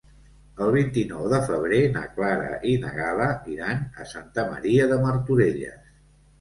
El vint-i-nou de febrer na Clara i na Gal·la iran a Santa Maria de Martorelles.